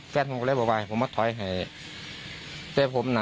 แกก็เลยบอกว่าให้ผมมาถอยให้เจ๊ผมน่ะ